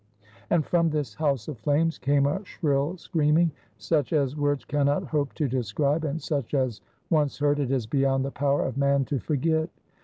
And from this house of flames came a shrill screaming, such as words cannot hope to describe and such as once heard it is beyond the power of man to forget.